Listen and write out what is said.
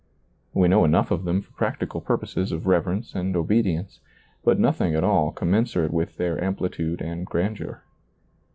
We know enough of them for practical purposes of reverence and obedience, but nothing at all com mensurate with their amplitude and grandeur.